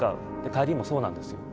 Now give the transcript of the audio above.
帰りもそうなんです。